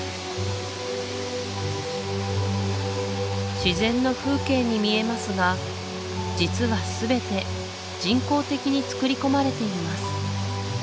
自然の風景に見えますが実は全て人工的につくり込まれています